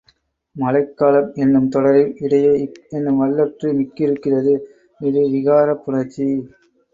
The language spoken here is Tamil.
மழைக்காலம் என்னும் தொடரில் இடையே க் என்னும் வல்லொற்று மிக்கிருக்கிறது இது விகாரப் புணர்ச்சி.